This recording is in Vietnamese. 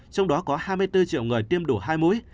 trong đó có hai mươi bốn triệu người tiêm đủ hai mũi